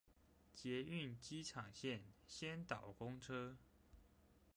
捷運機場線先導公車